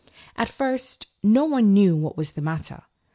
At first no one knew what was the matter.